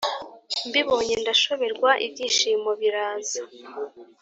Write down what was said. Mbibonye ndashoberwa ibyishimo biraza.